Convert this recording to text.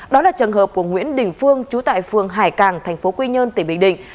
đó là trường hợp của nguyễn đình phương chú tại phường hải càng tp quy nhơn tỉnh bình đình